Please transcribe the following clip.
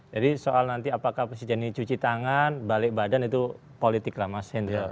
jadi soal nanti apakah presiden ini cuci tangan balik badan itu politik lah mas hendry